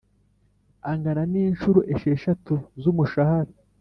angana n inshuro esheshatu z umushahara